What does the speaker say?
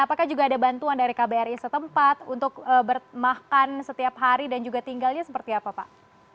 apakah juga ada bantuan dari kbri setempat untuk bermakan setiap hari dan juga tinggalnya seperti apa pak